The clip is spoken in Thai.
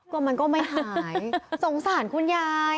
ก็มันก็ไม่หายสงสารคุณยาย